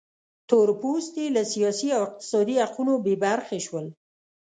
تور پوستي له سیاسي او اقتصادي حقونو بې برخې شول.